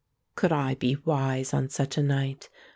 Could I be wise on such a night?